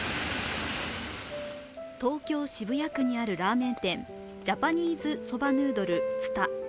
東京・渋谷区にあるラーメン店ジャパニーズ・ソバ・ヌードル蔦。